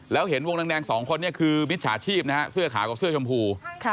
แล้วเห็นวงแดงสองคนนี้คือมิจฉาชีพนะฮะเสื้อขาวกับเสื้อชมพู